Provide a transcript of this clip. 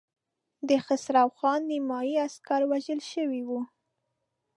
د خسرو خان نيمايي عسکر وژل شوي وو.